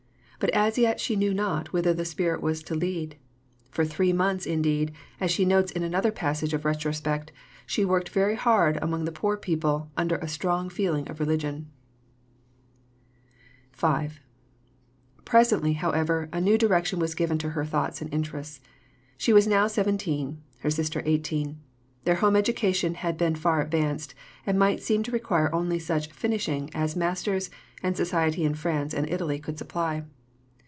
But as yet she knew not whither the Spirit was to lead. For three months, indeed, as she notes in another passage of retrospect, she "worked very hard among the poor people" under "a strong feeling of religion." A Century of Family Letters, vol. ii. p. 174. V Presently, however, a new direction was given to her thoughts and interests. She was now seventeen, her sister eighteen. Their home education had been far advanced, and might seem to require only such "finishing" as masters and society in France and Italy could supply.